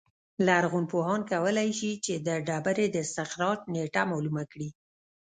لرغونپوهان کولای شي چې د ډبرې د استخراج نېټه معلومه کړي